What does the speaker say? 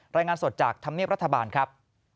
รายงานสดจากธรรมเนียบรัฐบาลครับ